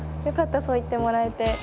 よかったそう言ってもらえて。